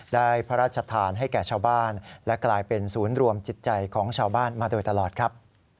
ได้พระราชทานให้แก่ชาวบ้านและกลายเป็นศูนย์รวมจิตใจของชาวบ้านมาโดยตลอดครับ